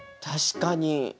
確かに！